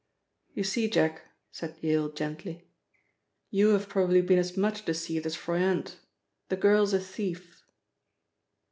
"You see, Jack," said Yale gently, "you have probably been as much deceived as Froyant. The girl is a thief."